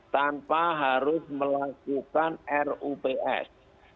tanpa harus melakukan rups